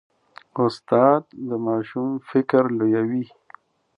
استاد د ماشوم فکر لویوي.